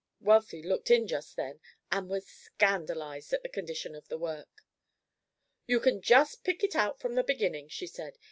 Wealthy looked in just then, and was scandalized at the condition of the work. "You can just pick it out from the beginning," she said.